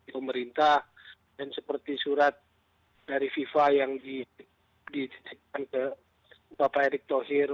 pemerintah dan seperti surat dari fifa yang dititikkan ke bapak erick thohir